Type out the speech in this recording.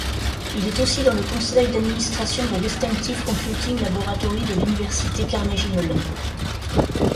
Il est aussi dans le conseil d'administration de l'Instinctive Computing Laboratory de l'Université Carnegie-Mellon.